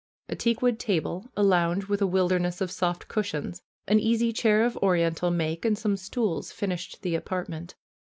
A teak wood table, a lounge with a wilderness of soft cushions, an easy chair of Oriental make, and some stools finished the apartment.